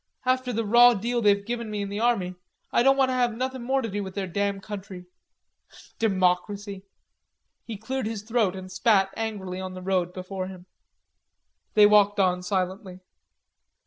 After the raw deal they've given me in the army, I don't want to have nothin' more to do with their damn country. Democracy!" He cleared his throat and spat angrily on the road before him. They walked on silently.